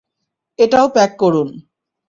এটাও প্যাক করুন।